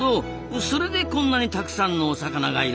それでこんなにたくさんのお魚がいるんですな。